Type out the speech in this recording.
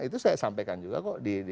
itu saya sampaikan juga kok